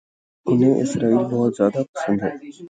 انہیں اسرائیل بہت زیادہ پسند ہے